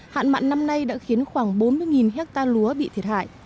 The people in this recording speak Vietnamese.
hạn mặn năm nay đã khiến khoảng bốn mươi hectare lúa bị thiệt hại